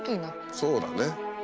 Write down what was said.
そうだね。